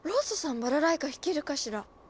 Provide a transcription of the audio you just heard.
バラライカ弾けるかしら。